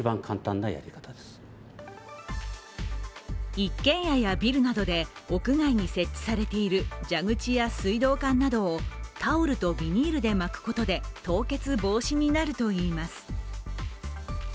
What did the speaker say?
一軒家やビルなどで屋外に設置されている蛇口や水道管などをタオルとビニールで巻くことで凍結防止になるといいます。